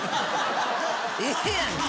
ええやんけ！